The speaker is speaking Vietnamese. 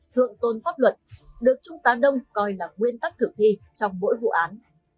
thượng tôn pháp luật được trung tá đông coi là nguyên tắc cực kỳ trong mỗi vụ án